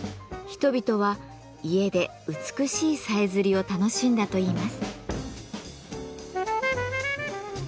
人々は家で美しいさえずりを楽しんだといいます。